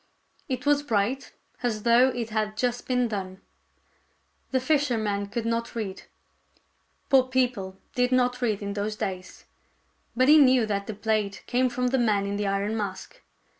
It was bright, as though it had just been done. The fisherman could not read. Poor people did not read in those days. But he knew that the plate came from the man in the iron mask.